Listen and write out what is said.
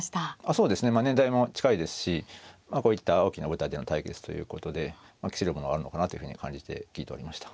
そうですね年代も近いですしこういった大きな舞台での対決ということで期するものがあるのかなというふうに感じて聞いておりました。